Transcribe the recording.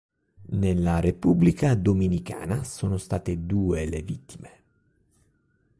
Nella Repubblica Dominicana sono state due le vittime.